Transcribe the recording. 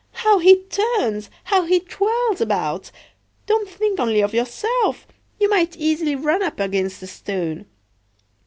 How he turns! how he twirls about! Don't think only of yourself, you might easily run up against a stone.